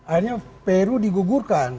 akhirnya peru digugurkan